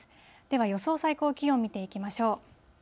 では、予想最高気温見ていきましょう。